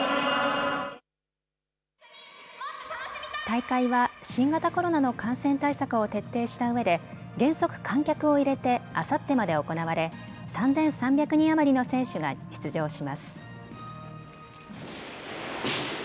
大会は新型コロナの感染対策を徹底したうえで原則観客を入れてあさってまで行われ３３００人余りの選手が出場します。